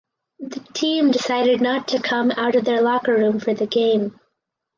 The team decided not to come out of their locker room for the game.